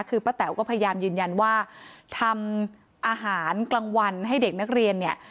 คือป้าแต๋วก็พยายามยืนยันว่าทำอาหารกลางวันให้เด็กนักเรียนเนี่ย